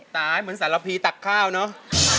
ตายเหมือนสารพีต่อแน่ข้าวเนอะ